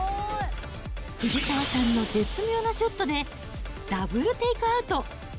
藤澤さんの絶妙なショットで、ダブルテイクアウト。